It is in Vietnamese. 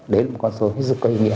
đến một con số rất là có ý nghĩa